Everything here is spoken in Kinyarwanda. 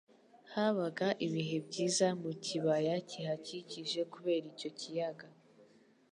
Habaga ibihe byiza mu kibaya kihakikije kubera icyo kiyaga.